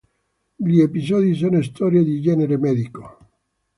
Gli episodi sono storie di genere medico.